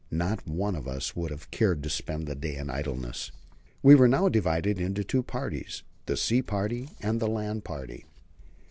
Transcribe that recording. Not one of us would have cared to spend the day in idleness. We were now divided into two parties: the sea party and the land party.